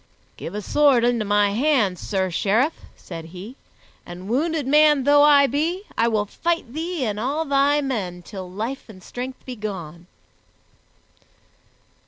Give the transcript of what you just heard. "Give a sword into my hand, Sir Sheriff," said he, "and wounded man though I be, I will fight thee and all thy men till life and strength be gone."